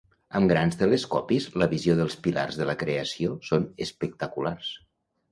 Amb grans telescopis la visió dels pilars de la creació són espectaculars.